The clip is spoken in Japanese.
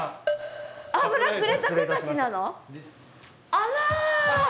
油くれた子たちなの？です。